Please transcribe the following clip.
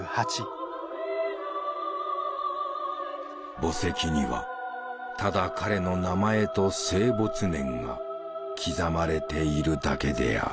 墓石にはただ彼の名前と生没年が刻まれているだけである。